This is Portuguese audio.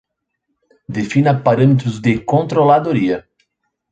Define parâmetros de controladoria